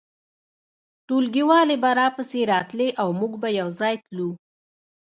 ټولګیوالې به راپسې راتلې او موږ به یو ځای تلو